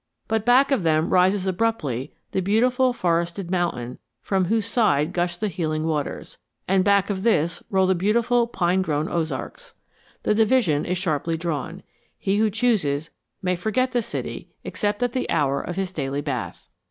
But back of them rises abruptly the beautiful forested mountain from whose side gush the healing waters, and back of this roll the beautiful pine grown Ozarks. The division is sharply drawn. He who chooses may forget the city except at the hour of his daily bath.